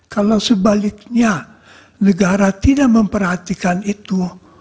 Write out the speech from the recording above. kalau sebaliknya negara tidak memperhatikan itu